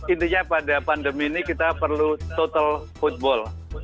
intinya pada pandemi ini kita perlu total football